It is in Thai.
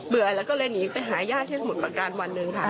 แล้วก็เลยหนีไปหาญาติที่สมุทรประการวันหนึ่งค่ะ